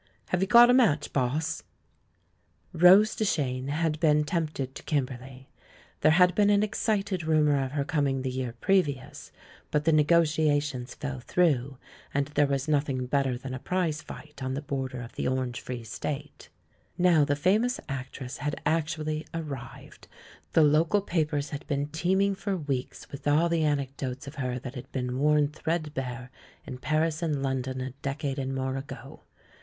Have you got a match, haasr Rose Duchene had been tempted to Kimber ley. There had been an excited rumour of her THE LAURELS AND THE LADY 91 coming the year previous, but the negotiations fell through, and there was nothing better than a prize fight on the border of the Orange Free State, ^^ow the famous actress had actually ar rived. The local papers had been teeming for weeks with all the anecdotes of her that had been worn threadbare in Paris and London a decade and more ago.